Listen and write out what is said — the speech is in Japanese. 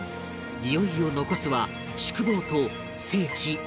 いよいよ残すは宿坊と聖地奥之院